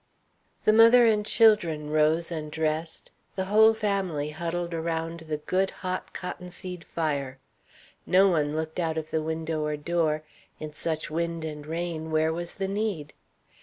The mother and children rose and dressed. The whole family huddled around the good, hot, cotton seed fire. No one looked out of window or door; in such wind and rain, where was the need?